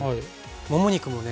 もも肉もね